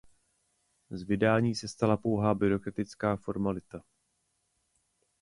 Z vydání se stala pouhá byrokratická formalita.